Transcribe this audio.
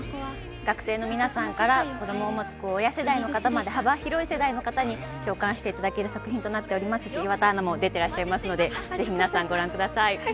学生の皆さんから子供を持つ親世代の方まで、幅広い世代の方に共感していただける作品となっておりますし、岩田アナも出ていらっしゃいますので、ぜひ皆さんご覧ください。